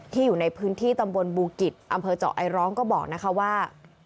อยู่ในพื้นที่ตำบลบูกิจอำเภอเจาะไอร้องก็บอกนะคะว่า